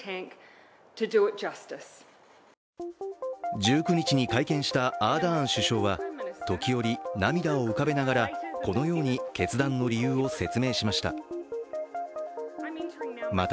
１９日に会見したアーダーン首相は時折涙を浮かべながらこのように決断の理由を説明しました。